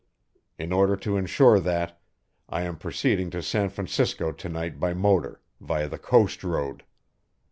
In order to insure that, I am proceeding to San Francisco to night by motor, via the coast road.